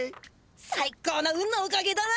さい高の運のおかげだな。